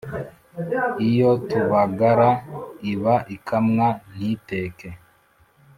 iyo tubagara iba ikamwa ntiteke